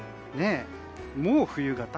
もう冬型？